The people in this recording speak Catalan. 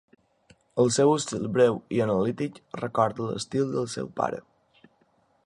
El seu estil breu i analític recorda l'estil del seu pare.